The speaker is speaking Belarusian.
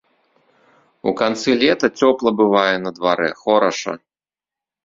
У канцы лета цёпла бывае на дварэ, хораша.